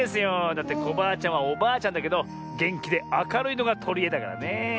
だってコバアちゃんはおばあちゃんだけどげんきであかるいのがとりえだからねえ。